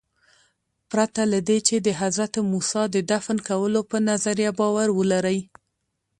پرته له دې چې د حضرت موسی د دفن کولو په نظریه باور ولرئ.